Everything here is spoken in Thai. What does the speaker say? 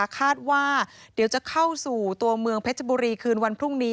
คาดว่าเดี๋ยวจะเข้าสู่ตัวเมืองเพชรบุรีคืนวันพรุ่งนี้